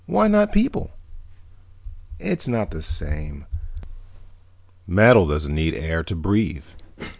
"Why not people?" "It's not the same. Metal doesn't need air to breathe.